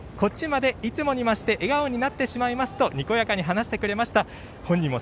こっちまでいつもに増して笑顔になってしまいますとにこやかに話してくれました。